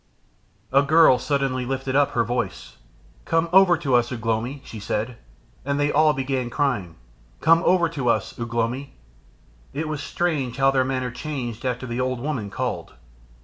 A girl suddenly lifted up her voice. "Come over to us, Ugh lomi," she said. And they all began crying, "Come over to us, Ugh lomi." It was strange how their manner changed after the old woman called.